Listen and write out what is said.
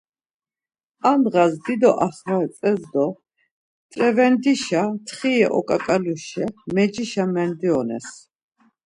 Ar ndğas dido axvatzes do T̆revendişa, ntxiri oǩaǩaluş mecişa mendiohes.